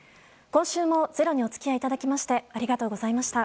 今週も「ｚｅｒｏ」にお付き合いいただきましてありがとうございました。